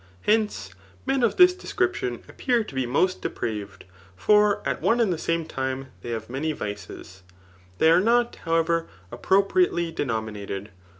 Hence, men of this description ai^>ear to be most depraved ; for at one and the same time they have many vices. They are not^ however, appropriately denominated.